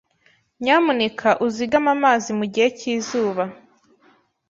Nyamuneka uzigame amazi mugihe cyizuba.